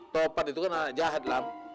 topan itu kan anak jahat lah